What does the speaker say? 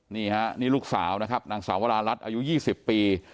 นี่ฮะนี่ลูกสาวนะครับนางสาววรารัฐอายุ๒๐ปี